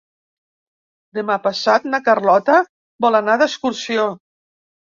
Demà passat na Carlota vol anar d'excursió.